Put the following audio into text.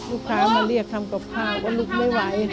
ลูกค้ามาเรียกทำกับข้าวก็ลุกไม่ไหว